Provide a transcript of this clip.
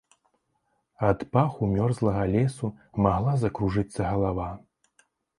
Ад паху мёрзлага лесу магла закружыцца галава.